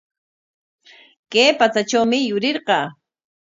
Kay patsatrawmi yurirqaa.